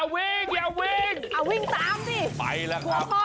วิ่งตามติพ่อพ่อหลง